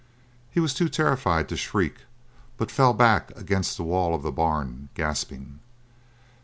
He was too terrified to shriek, but fell back against the wall of the barn, gasping.